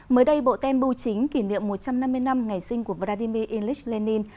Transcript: mới đây bộ tem bưu chính kỷ niệm một trăm năm mươi năm ngày sinh của vladimir ilyich lenin